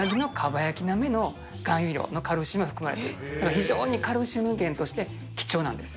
非常にカルシウム源として貴重なんです。